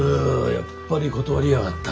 やっぱり断りやがった。